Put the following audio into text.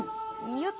よっと！